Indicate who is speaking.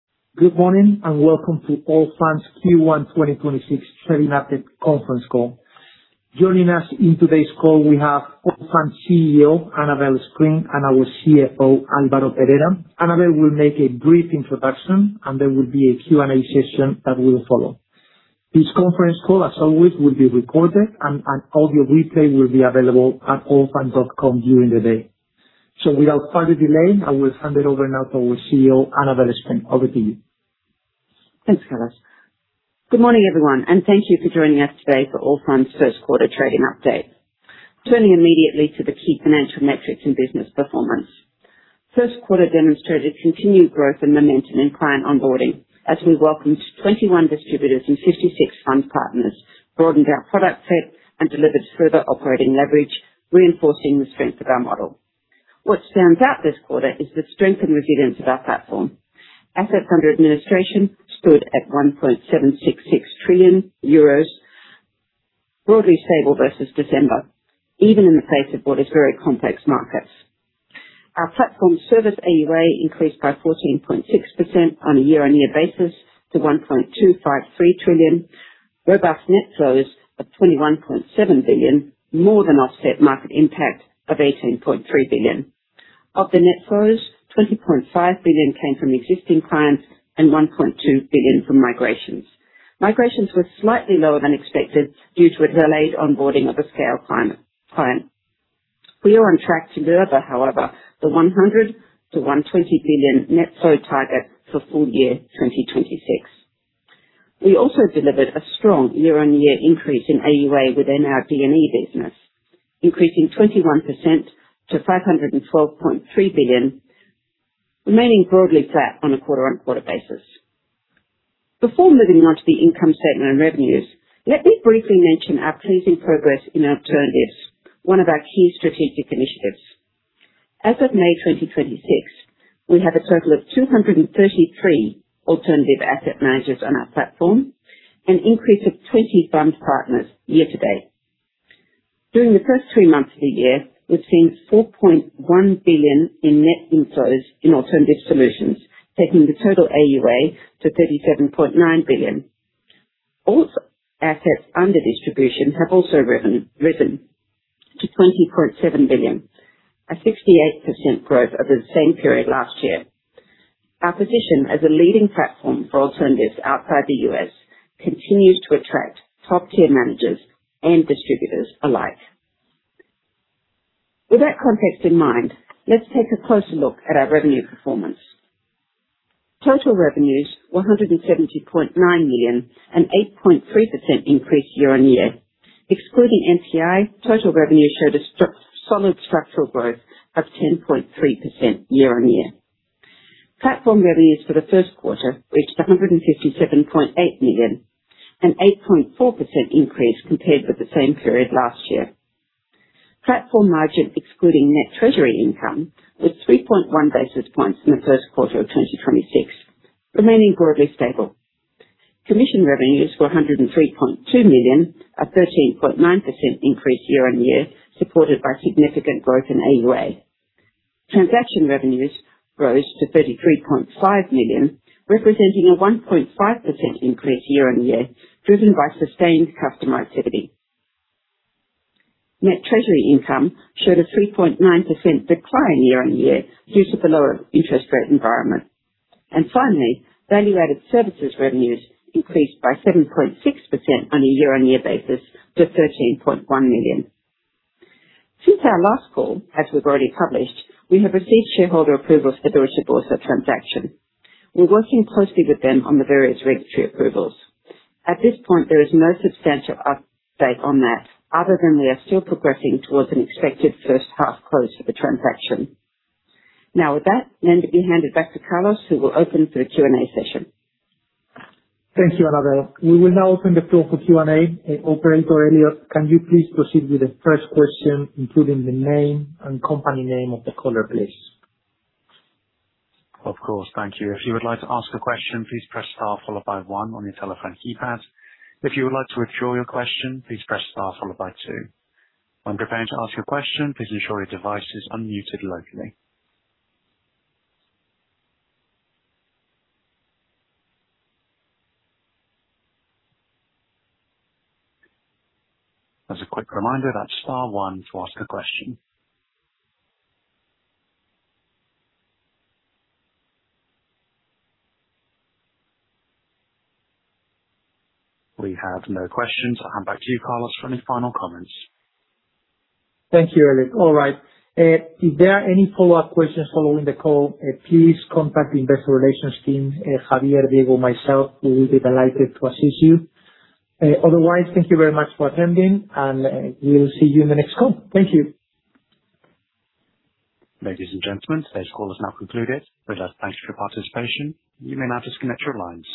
Speaker 1: Good morning, and welcome to Allfunds' Q1 2026 trading update conference call. Joining us in today's call, we have Allfunds CEO, Annabel Spring, and our CFO, Álvaro Perera. Annabel will make a brief introduction, and there will be a Q&A session that will follow. This conference call, as always, will be recorded and an audio replay will be available at allfunds.com during the day. Without further delay, I will hand it over now to our CEO, Annabel Spring. Over to you.
Speaker 2: Thanks, Carlos. Good morning, everyone, and thank you for joining us today for Allfunds Group's first quarter trading update. Turning immediately to the key financial metrics and business performance. First quarter demonstrated continued growth and momentum in client onboarding, as we welcomed 21 distributors and 56 fund partners, broadened our product set, and delivered further operating leverage, reinforcing the strength of our model. What stands out this quarter is the strength and resilience of our platform. Assets under administration stood at 1.766 trillion euros, broadly stable versus December, even in the face of what is very complex markets. Our platform service AUA increased by 14.6% on a year-on-year basis to 1.253 trillion. Robust net flows of 21.7 billion more than offset market impact of 18.3 billion. Of the net flows, 20.5 billion came from existing clients and 1.2 billion from migrations. Migrations were slightly lower than expected due to a delayed onboarding of a scale client. We are on track to deliver, however, the 100 billion-120 billion net flow target for full year 2026. We also delivered a strong year-on-year increase in AUA within our D&A business, increasing 21% to 512.3 billion, remaining broadly flat on a quarter-on-quarter basis. Before moving on to the income statement and revenues, let me briefly mention our pleasing progress in alternatives, one of our key strategic initiatives. As of May 2026, we have a total of 233 alternative asset managers on our platform, an increase of 20 fund partners year to date. During the first three months of the year, we've seen 4.1 billion in net inflows in alternative solutions, taking the total AUA to 37.9 billion. Also, assets under distribution have also risen to 20.7 billion, a 68% growth over the same period last year. Our position as a leading platform for alternatives outside the U.S. continues to attract top-tier managers and distributors alike. With that context in mind, let's take a closer look at our revenue performance. Total revenues were 170.9 million, an 8.3% increase year-on-year. Excluding NPI, total revenue showed a solid structural growth of 10.3% year-on-year. Platform revenues for the first quarter reached 157.8 million, an 8.4% increase compared with the same period last year. Platform Margin, excluding Net Treasury Income, was 3.1 basis points in the first quarter of 2026, remaining broadly stable. Commission revenues were 103.2 million, a 13.9% increase year-over-year, supported by significant growth in AUA. Transaction revenues rose to 33.5 million, representing a 1.5% increase year-over-year, driven by sustained customer activity. Net Treasury Income showed a 3.9% decline year-over-year due to the lower interest rate environment. Finally, Value-Added Services revenues increased by 7.6% on a year-over-year basis to 13.1 million. Since our last call, as we've already published, we have received shareholder approval for the Deutsche Börse transaction. We're working closely with them on the various regulatory approvals. At this point, there is no substantial update on that other than we are still progressing towards an expected first half close to the transaction. Now, with that, I'm going to hand it back to Carlos, who will open for the Q&A session.
Speaker 1: Thank you, Annabel. We will now open the floor for Q&A. Operator Elliot, can you please proceed with the first question, including the name and company name of the caller, please?
Speaker 3: Of course. Thank you. If you would like to ask a question, please press star followed by one on your telephone keypad. If you would like to withdraw your question, please press star followed by two. When preparing to ask your question, please ensure your device is unmuted locally. As a quick reminder, that's star one to ask a question. We have no questions. I'll hand back to you, Carlos, for any final comments.
Speaker 1: Thank you, Elliot. All right. If there are any follow-up questions following the call, please contact the investor relations team, Javier, Diego, myself. We will be delighted to assist you. Otherwise, thank you very much for attending and we will see you in the next call. Thank you.
Speaker 3: Ladies and gentlemen, today's call has now concluded. With that, thanks for your participation. You may now disconnect your lines.